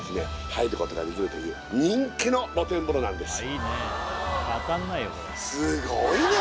入ることができるという人気の露天風呂なんです